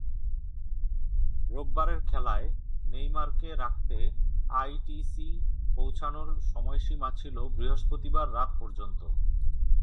রোববারের খেলায় নেইমারকে রাখতে আইটিসি পৌঁছানোর সময়সীমা ছিল বৃহস্পতিবার রাত পর্যন্ত।